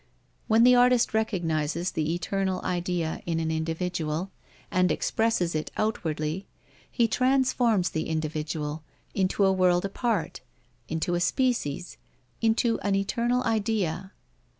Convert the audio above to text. When the artist recognizes the eternal idea in an individual, and expresses it outwardly, he transforms the individual into a world apart, into a species, into an eternal idea.